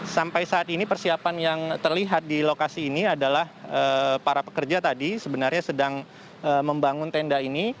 sampai saat ini persiapan yang terlihat di lokasi ini adalah para pekerja tadi sebenarnya sedang membangun tenda ini